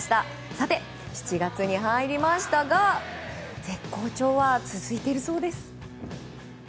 さて、７月に入りましたが絶好調は続いているそうです。